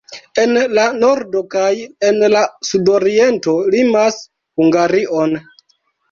En la nordo kaj en la sudoriento limas Hungarion.